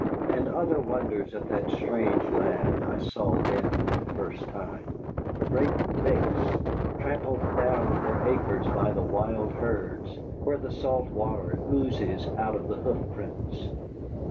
And other wonders of that strange land I saw then for the first time: great licks, trampled down for acres by the wild herds, where the salt water oozes out of the hoofprints.